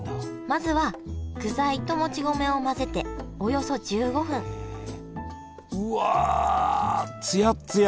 まずは具材ともち米を混ぜておよそ１５分うわつやっつや！